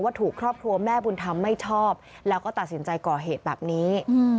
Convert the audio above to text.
ถูกครอบครัวแม่บุญธรรมไม่ชอบแล้วก็ตัดสินใจก่อเหตุแบบนี้